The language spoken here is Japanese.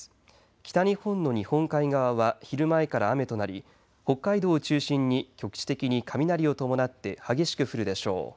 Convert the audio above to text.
北日本の日本海側は昼前から雨となり北海道を中心に局地的に雷を伴って激しく降るでしょう。